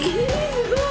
すごい！